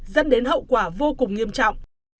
dẫn đến hậu quả vô cùng nghiêm trọng